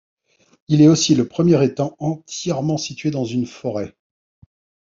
Il est aussi le premier étang entièrement situé dans une forêt.